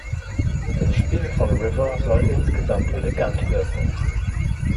Das Spiel von River soll insgesamt elegant wirken.